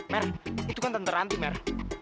mer itu kan tante ranti mer